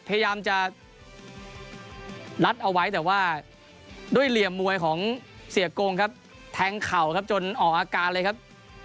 พยายามจะลัดเอาไว้แต่ว่าด้วยเหลี่ยมมวยของเสียโกงครับแทงเข่าครับจนออกอาการเลยครับ